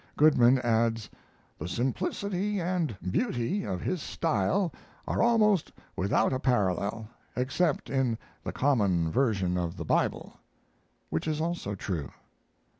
Goodman adds, "The simplicity and beauty of his style are almost without a parallel, except in the common version of the Bible," which is also true.